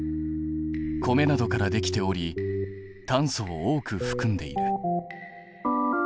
米などからできており炭素を多くふくんでいる。